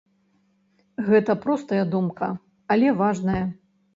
Гэта простая думка, але важная.